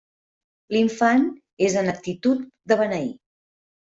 L'infant és en actitud de beneir.